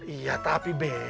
iya tapi be